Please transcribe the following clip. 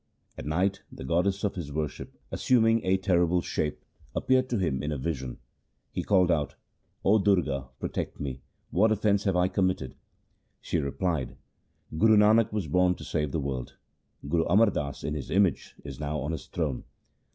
At night the goddess of his worship, assuming a terrible shape, appeared to him in a vision. He called out, ' O Durga, protect me ! What offence have I committed ?' She replied, ' Guru Nanak was born to save the world. Guru Amar Das in his image is now on his throne.